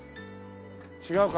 違うか？